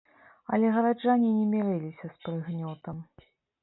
Але гараджане не мірыліся з прыгнётам.